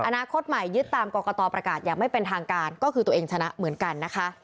อนาคตใหม่ยึดตามกรกตประกาศอย่างไม่เป็นทางการก็คือตัวเองชนะเหมือนกันนะคะ